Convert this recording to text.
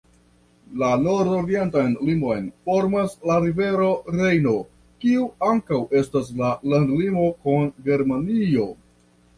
La nordorientan limon formas la rivero Rejno, kiu ankaŭ estas la landlimo kun Germanio.